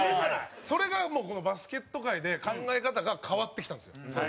それが、このバスケット界で考え方が変わってきたんですよ。